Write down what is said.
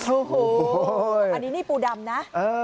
โอ้โหอันนี้นี่ปูดำนะ